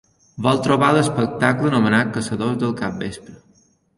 Vol trobar l'espectacle anomenat Caçadors del Capvespre.